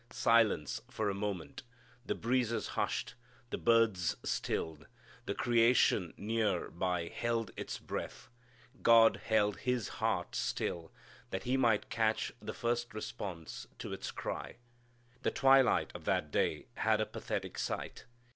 Silence for a moment, the breezes hushed, the birds stilled, the creation near by held its breath, God held His heart still, that He might catch the first response to its cry. The twilight of that day had a pathetic sight.